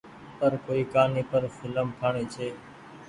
پر ڪوئي ڪهآني پر ڦلم ٺآڻي ڇي۔